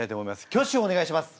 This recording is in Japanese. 挙手をお願いします。